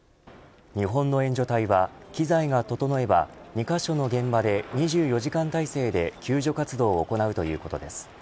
日本の援助隊は機材が整えば２カ所の現場で、２４時間態勢で救助活動を行うということです。